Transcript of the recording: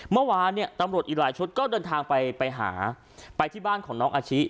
เมื่อวานเนี่ยตำรวจอีกหลายชุดก็เดินทางไปไปหาไปที่บ้านของน้องอาชิ